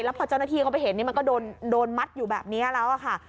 แล้วพอเจ้าหน้าที่เขาไปเห็นมันก็โดนมัดอยู่แบบนี้แล้วค่ะ